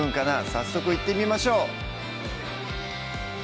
早速いってみましょう